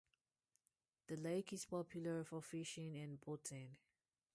The lake is popular for fishing and boating.